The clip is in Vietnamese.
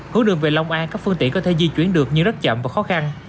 hướng đường về long an các phương tiện có thể di chuyển được nhưng rất chậm và khó khăn